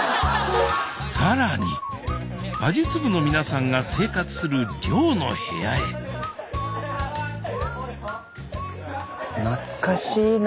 更に馬術部の皆さんが生活する寮の部屋へスタジオ懐かしいな！